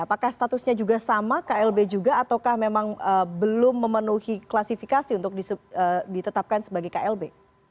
apakah statusnya juga sama klb juga ataukah memang belum memenuhi klasifikasi untuk ditetapkan sebagai klb